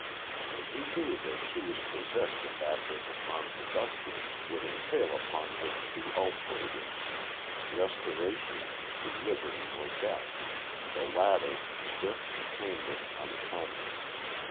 And he knew that she was possessed of that which upon production would entail upon her two alternatives restoration, to liberty or death the latter, swift, painless, unconscious.